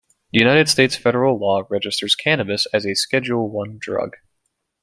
United States federal law registers cannabis as a Schedule One drug.